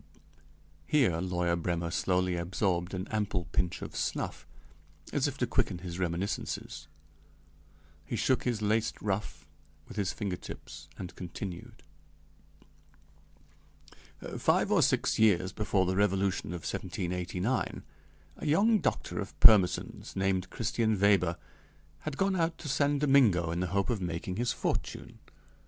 (Here lawyer Brêmer slowly absorbed an ample pinch of snuff as if to quicken his reminiscences; he shook his laced ruff with his finger tips and continued:) Five or six years before the Revolution of 1789, a young doctor of Pirmesens, named Christian Weber, had gone out to San Domingo in the hope of making his fortune.